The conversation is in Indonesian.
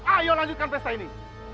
ayo lanjutkan festa ini